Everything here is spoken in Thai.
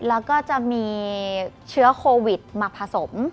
แล้วก็จะมีเชื้อโควิดมาผสม